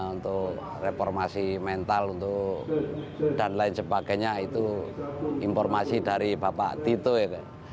untuk reformasi mental untuk dan lain sebagainya itu informasi dari bapak tito ya pak